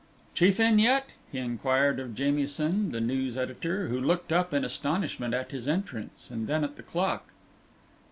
"Chief in yet?" he inquired of Jamieson, the news editor, who looked up in astonishment at his entrance, and then at the clock.